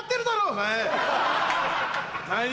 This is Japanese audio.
お前。